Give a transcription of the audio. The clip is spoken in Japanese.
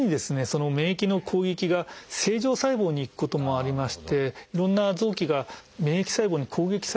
その免疫の攻撃が正常細胞にいくこともありましていろんな臓器が免疫細胞に攻撃されてしまうっていうことがあって。